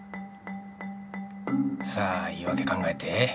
さあ言い訳考えて。